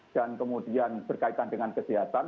dan kemudian berkaitan dengan kesehatan